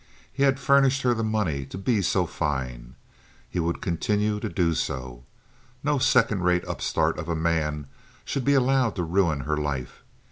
He had furnished her the money to be so fine. He would continue to do so. No second rate upstart of a man should be allowed to ruin her life.